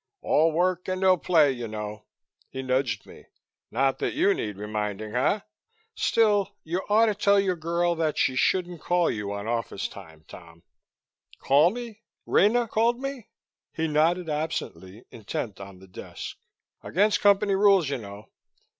"All work and no play, you know." He nudged me. "Not that you need reminding, eh? Still, you ought to tell your girl that she shouldn't call you on office time, Tom." "Call me? Rena called me?" He nodded absently, intent on the desk. "Against Company rules, you know.